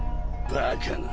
バカな。